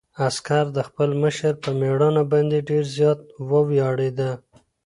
عسکر د خپل مشر په مېړانه باندې ډېر زیات وویاړېد.